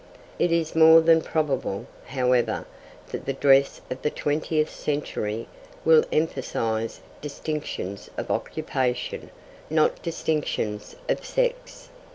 It is more than probable, however, that the dress of the twentieth century will emphasise distinctions of occupation, not distinctions of sex.